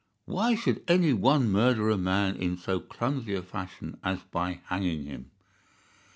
"Why should any one murder a man in so clumsy a fashion as by hanging him?"